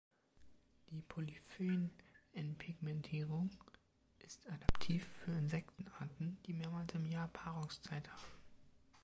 Die Polyphenenpigmentierung ist adaptiv für Insektenarten, die mehrmals im Jahr Paarungszeit haben.